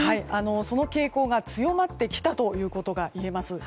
その傾向が強まってきたということがいえます。